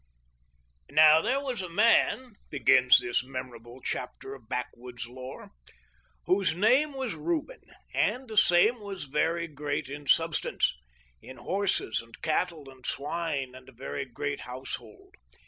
" Now there was a man," begins this memorable chapter of backwoods lore, " whose name was Reuben, and the same was very great in substance ; in horses and cattle and swine, and a very great household.